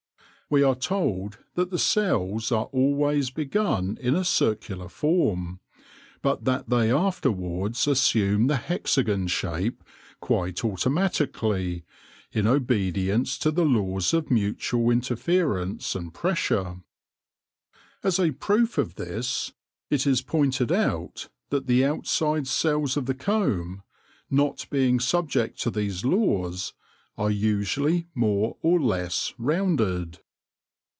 We are told that the cells are always begun in a circular form, but that they afterwards assume the hexagon shape quite automatically, in obedience to the laws of mutual interference and pressure. As a proof of this, THE COMB BUILDERS 147 it/ is pointed out that the outside cells of the comb, not being subject to these laws, are usually more or less rounded.